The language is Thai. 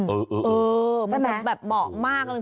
เออใช่ไหมใช่ไหมมันเหมาะมาก